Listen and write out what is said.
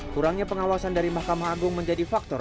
kurangnya pengawasan dari mahkamah agung menjadi faktor